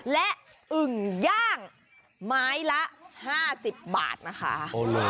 และอึ่งย่างไม้ละ๕๐บาทนะคะ